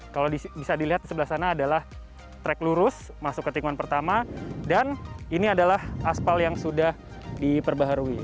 kalau bisa dilihat di sebelah sana adalah track lurus masuk ke tikungan pertama dan ini adalah aspal yang sudah diperbaharui